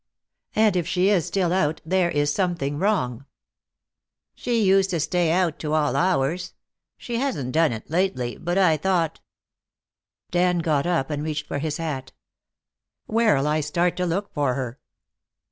And if she is still out there is something wrong." "She used to stay out to all hours. She hasn't done it lately, but I thought " Dan got up and reached for his hat. "Where'll I start to look for her?"